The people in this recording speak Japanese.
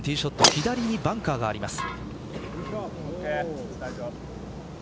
左にバンカーがあります。